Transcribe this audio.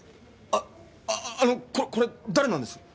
あのこれ誰なんです？